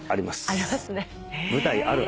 ありますね。